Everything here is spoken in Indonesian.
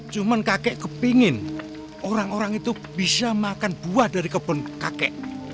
cuma kakek kepingin orang orang itu bisa makan buah dari kebun kakek